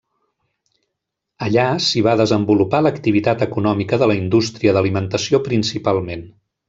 Allà s'hi va desenvolupar l’activitat econòmica de la indústria d’alimentació principalment.